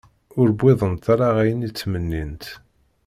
Ur wwiḍent ara ayen i ttmennint.